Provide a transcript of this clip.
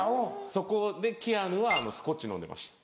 そこでキアヌはスコッチ飲んでました。